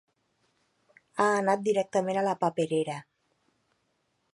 Ha anat directament a la paperera.